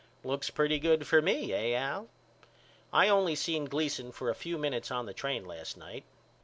Looks pretty good for me eh Al? I only seen Gleason for a few minutes on the train last night.